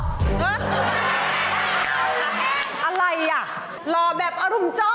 อะไรอ่ะหล่อแบบอรุณเจาะ